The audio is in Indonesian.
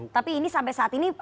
tapi ini sampai saat ini